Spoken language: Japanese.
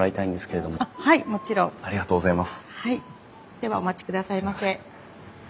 ではお待ちくださいませ。